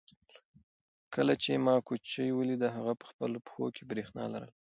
کله چې ما کوچۍ ولیده هغې په خپلو پښو کې برېښنا لرله.